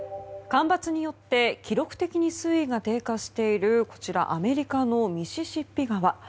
干ばつによって記録的に水位が低下しているアメリカのミシシッピ川。